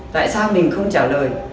tại sao mình không trả lời